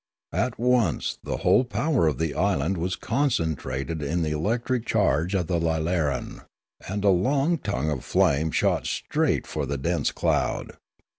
At once the whole power of the island was concen trated in the electric charge of the lilaran ; and a long tongue of flame shot straight for the dense cloud.